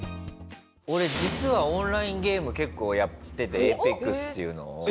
俺実はオンラインゲーム結構やってて『エーペックス』っていうのを。